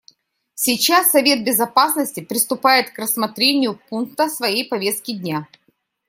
Сейчас Совет Безопасности приступает к рассмотрению пункта своей повестки дня.